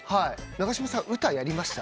永島さんウタやりました？